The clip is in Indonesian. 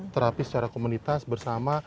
terapi secara komunitas bersama